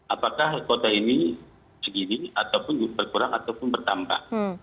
apakah kota ini segini ataupun berkurang ataupun bertambah